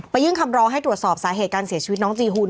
ยื่นคำร้องให้ตรวจสอบสาเหตุการเสียชีวิตน้องจีหุ่น